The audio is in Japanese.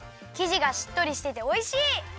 きじがしっとりしてておいしい！